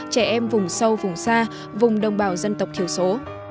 trẻ em vùng sâu vùng xa vùng đồng bào dân tộc thiểu số